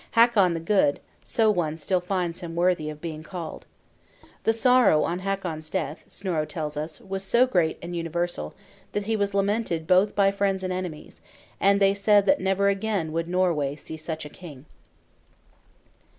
Hakon the Good; so one still finds him worthy of being called. The sorrow on Hakon's death, Snorro tells us, was so great and universal, "that he was lamented both by friends and enemies; and they said that never again would Norway see such a king."